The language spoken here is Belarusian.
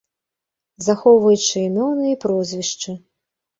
Захоўваючы імёны і прозвішчы.